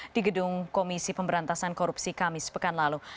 di gedung komisi pemberantasan korupsi kamis pekan lalu